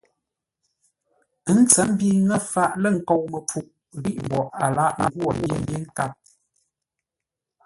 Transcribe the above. Ə́ tsəmbi ŋə́ faʼ lə̂ nkou-məpfuʼ, ghíʼ mboʼ a lâghʼ ngwô yé nkâp.